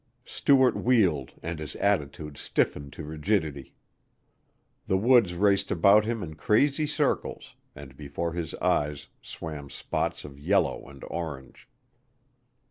Stuart wheeled and his attitude stiffened to rigidity. The woods raced about him in crazy circles, and before his eyes swam spots of yellow and orange.